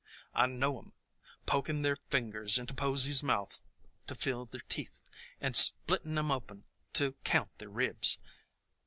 I know 'em! poking their fingers into posies' mouths to feel their teeth, and splittin' 'em open to count their ribs!